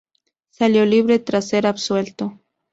Salió libre tras ser absuelto.